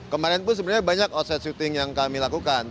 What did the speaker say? kemarin pun sebenarnya banyak outside shooting yang kami lakukan